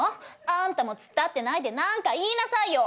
「あんたも突っ立ってないで何か言いなさいよ」